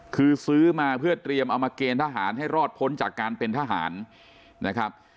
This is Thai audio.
คือซื้อมาเพื่อเตรียมเอามาเกณฑหารให้รอดพ้นจากการเป็นทหารนะครับ